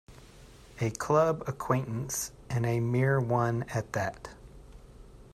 A club acquaintance, and a mere one at that.